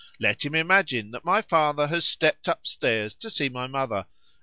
—Let him imagine, that my father has stepped up stairs to see my mother.